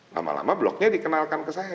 lama lama bloknya dikenalkan ke saya